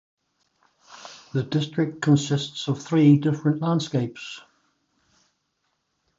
The district consists of three different landscapes.